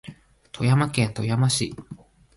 富山県富山市